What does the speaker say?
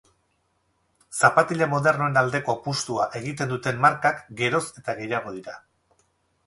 Zapatila modernoen aldeko apustua egiten duten markak geroz eta gehiago dira.